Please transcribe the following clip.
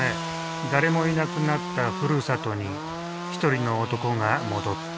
誰もいなくなったふるさとに一人の男が戻った。